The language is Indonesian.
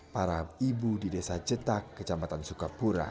para ibu di desa cetak kecamatan sukapura